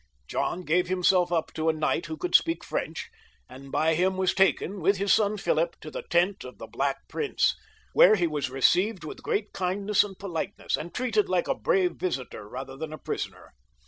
John gave himself up to a knight who could speak French, and by him was taken, with his son Philip, to the tent of the Black Prince, where he was received with great kindness and politeness, and treated like a brave visitor rather than a prisoner.